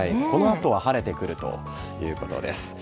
このあとは晴れてくるということです。